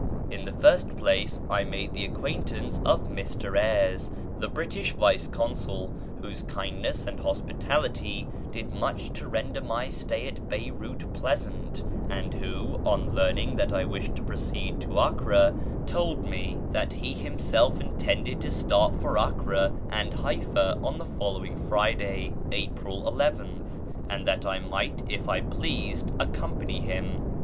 In the first place I made the acquaintance of Mr Eyres, the British Vice Consul, whose kindness and hospitality did much to render my stay at Beyrout pleasant, and who, on learning that I wished to proceed to Acre, told me that he himself intended to start for Acre and Haifa on the following Friday (April 11th), and that I might if I pleased accompany him.